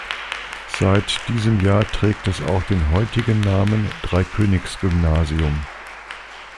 Seit diesem Jahr trägt es auch den heutigen Namen "Dreikönigsgymnasium".